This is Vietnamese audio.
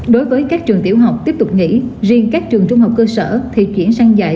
đối với các trường tiểu học tiếp tục nghỉ riêng các trường trung học cơ sở thì chuyển sang dạy